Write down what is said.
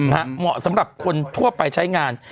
เหมาะสำหรับคนทั่วไปใช้งาน